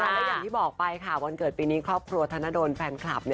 และอย่างที่บอกไปค่ะวันเกิดปีนี้ครอบครัวธนโดนแฟนคลับ